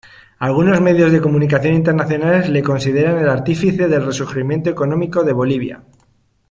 Algunos medios de comunicación internacionales le consideran el artífice del resurgimiento económico de Bolivia.